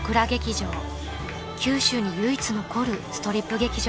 ［九州に唯一残るストリップ劇場です］